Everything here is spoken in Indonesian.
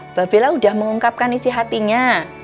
mbak bella sudah mengungkapkan isi hatinya